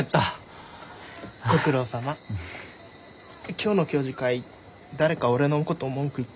今日の教授会誰か俺のこと文句言ってる人いた？